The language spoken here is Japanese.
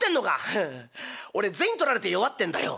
フフフ俺銭取られて弱ってんだよ」。